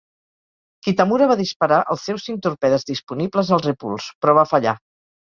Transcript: Kitamura va disparar els seus cinc torpedes disponibles al Repulse, però va fallar.